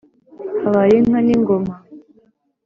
habaye inka n’ingoma,